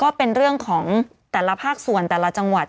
ก็เป็นเรื่องของแต่ละภาคส่วนแต่ละจังหวัด